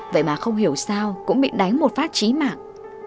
vậy mà không hiểu sao cũng bị đánh một phát chí mạng